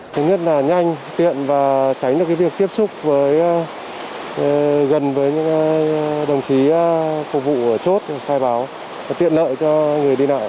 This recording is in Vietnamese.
thứ nhất là nhanh tiện và tránh được việc tiếp xúc gần với những đồng chí phục vụ ở chốt khai báo tiện lợi cho người đi nợ